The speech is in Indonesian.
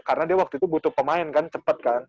karena dia waktu itu butuh pemain kan cepet kan